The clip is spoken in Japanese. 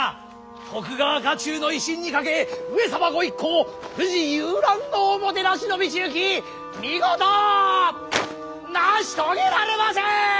徳川家中の威信にかけ上様御一行を富士遊覧のおもてなしの道行き見事成し遂げられませ！